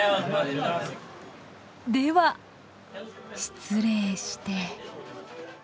では失礼して。